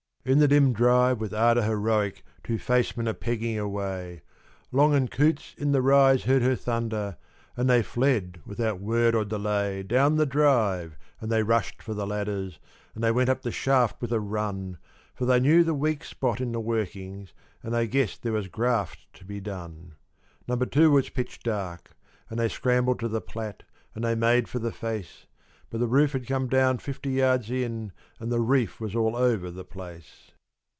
In the dim drive with ardour heroic two facemen are pegging away. Long and Coots in the rise heard her thunder, and they fled without word or delay Down the drive, and they rushed for the ladders, and they went up the shaft with a run, For they knew the weak spot in the workings, and they guessed there was graft to be done. Number Two was pitch dark, and they scrambled to the plat and they made for the face, But the roof had come down fifty yards in, and the reef was all over the place.